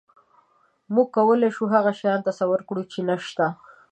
موږ کولی شو هغه شیان تصور کړو، چې نهشته.